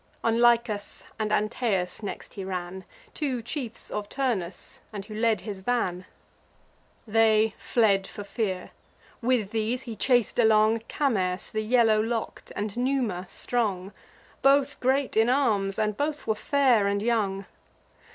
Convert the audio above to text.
On Lycas and Antaeus next he ran, Two chiefs of Turnus, and who led his van. They fled for fear; with these, he chas'd along Camers the yellow lock'd, and Numa strong; Both great in arms, and both were fair and young.